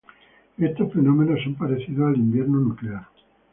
Estos fenómenos son parecidos al invierno nuclear.